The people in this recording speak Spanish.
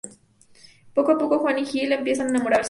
Poco a poco Juan y Jill empiezan a enamorarse.